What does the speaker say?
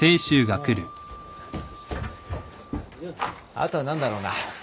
あとは何だろうな。